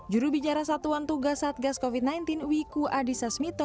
juru bicara satuan tugas saat gas covid sembilan belas wiku adhisa smito